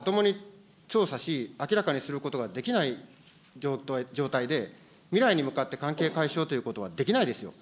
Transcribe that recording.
今の関係についてまともに調査し、明らかにすることができない状態で、未来に向かって関係解消ということは、できないですよ。